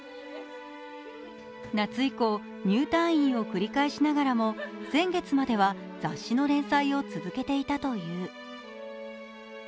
夏以降、入退院を繰り返しながらも先月までは雑誌の連載を続けていたという。